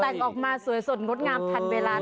แต่งออกมาสวยสดงดงามทันเวลาเลย